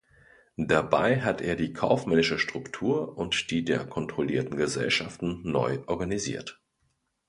Dabei hat er die kaufmännische Struktur und die der kontrollierten Gesellschaften neu organisiert.